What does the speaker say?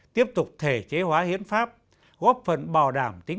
tiếp tục thể chế hóa hiến pháp góp phần bảo đảm tính